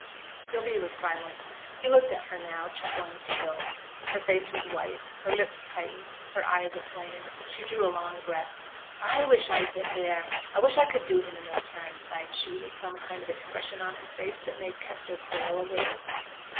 Sylvia was silent. He looked at her now, chuckling still. Her face was white, her lips tightened, her eyes a flame. She drew a long breath. 'I wish I'd been theere! I wish I could do him an ill turn,' sighed she, with some kind of expression on her face that made Kester quail a little.